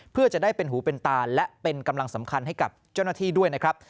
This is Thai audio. เพื่อจะได้เป็นหูเป็นตาและเป็นกำลังสำคัญให้กับเจ้าหน้าที่ด้วยนะครับ